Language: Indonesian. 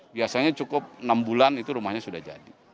biasanya cukup enam bulan itu rumahnya sudah jadi